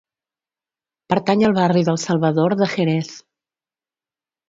Pertany al barri del Salvador de Jerez.